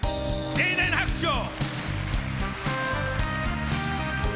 盛大な拍手を！